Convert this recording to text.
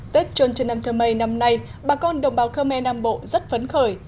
tết chôn trần nam thơ mê năm nay bà con đồng bào khmer nam bộ rất phấn khởi